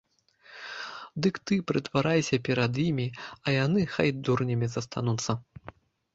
Дык ты прытварайся перад імі, а яны хай дурнямі застануцца.